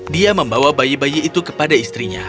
dia membawa bayi bayi itu kepada istrinya